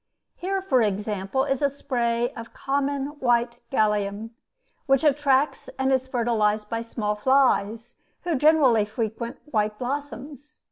Here, for example, is a spray of common white galium, which attracts and is fertilized by small flies, who generally frequent white blossoms.